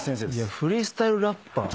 フリースタイルラッパー。